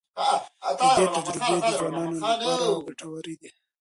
د ده تجربې د ځوانانو لپاره ګټورې دي.